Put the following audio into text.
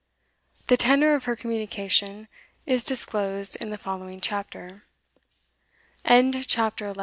The tenor of her communication is disclosed in the following CHAPTER. CHAPTER TWELFTH.